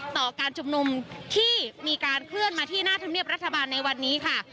ต่อการชุมนุมที่มีการเคลื่อนมาที่หน้าธรรมเนียบรัฐบาลในวันนี้ค่ะ